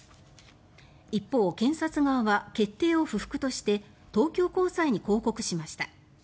一方、検察側は決定を不服として東京高裁に抗告しました。